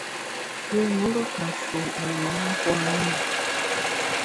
Yùe me mbe fash’e wu wu nùm mon puo a na ?